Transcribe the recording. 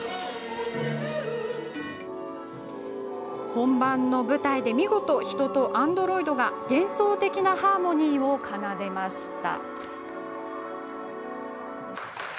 本番の舞台で見事、人とアンドロイドが幻想的なハーモニーを奏でました。